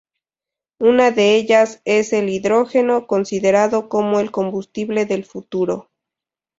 Una de ellas es el Hidrógeno, considerado como el combustible del futuro.